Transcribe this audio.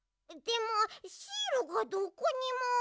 でもシールがどこにも。